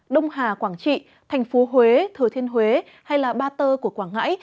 đông hà quảng trị thành phố huế thừa thiên huế hay ba tơ của quảng ngãi